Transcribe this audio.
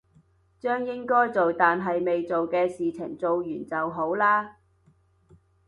將應該做但係未做嘅事情做完就好啦